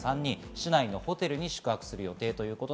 市内のホテルに宿泊予定です。